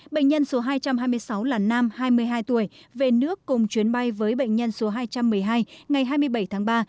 bệnh nhân số hai trăm hai mươi sáu là nam hai mươi hai tuổi về nước cùng chuyến bay với bệnh nhân số hai trăm một mươi hai ngày hai mươi bảy tháng ba